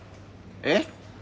えっ？